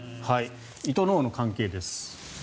胃と脳の関係です。